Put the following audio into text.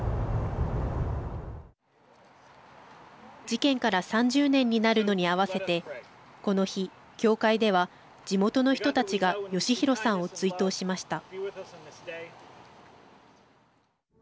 事件から３０年になるのに合わせてこの日、教会では地元の人たちが剛丈さんを追悼しました。